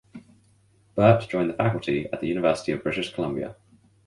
Burt joined the faculty at the University of British Columbia.